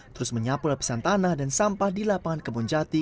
terus menyapu lapisan tanah dan sampah di lapangan kebun jati